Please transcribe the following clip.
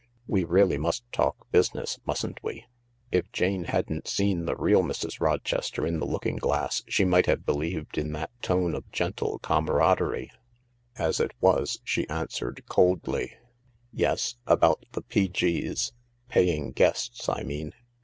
" We really must talk business, mustn't we ?" If Jane hadn't seen the real Mrs. Rochester in the looking glass she might have believed in that tone of gentle cama raderie. As it was, she answered coldly :" Yes ? About the P.G.'s— paying guests, I mean